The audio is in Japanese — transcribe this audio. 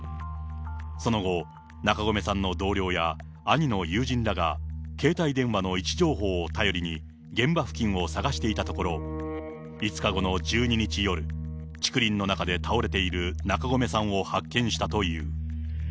その後、中込さんの同僚や兄の友人らが携帯電話の位置情報を頼りに、現場付近を捜していたところ、５日後の１２日夜、竹林の中で倒れている中込さんを発見したという。